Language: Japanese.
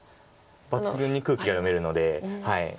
抜群に空気が読めるので。